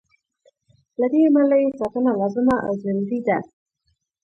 له دې امله یې ساتنه لازمه او ضروري ده.